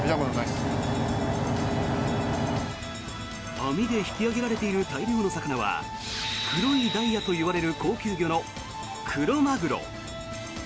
網で引き揚げられている大量の魚は黒いダイヤといわれる高級魚のクロマグロ。